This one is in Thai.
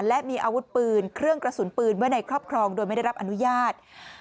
และมีอาวุธปืนเครื่องกระสุนปืนไว้ในครอบครองโดยไม่ได้รับอนุญาต